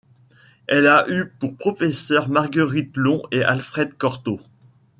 Elle a eu pour professeurs Marguerite Long et Alfred Cortot.